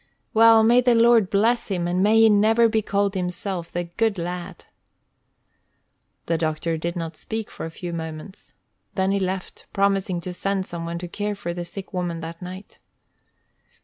"Well, may the Lord bless him, and may he never be cold himself, the good lad!" The doctor did not speak for a few moments; then he left, promising to send some one to care for the sick woman that night.